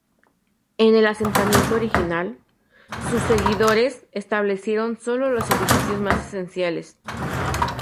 En el asentamiento original, sus seguidores establecieron solo los edificios más esenciales.